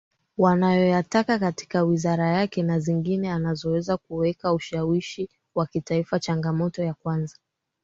wanayoyataka katika wizara yake na zingine anazoweza kuweka ushawishi wa kitaifaChangamoto ya kwanza